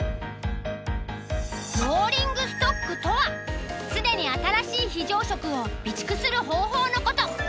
ローリングストックとは常に新しい非常食を備蓄する方法のこと。